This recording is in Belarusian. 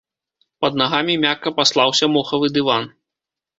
Пад нагамі мякка паслаўся мохавы дыван.